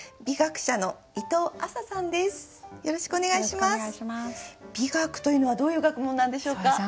美学というのはどういう学問なんでしょうか？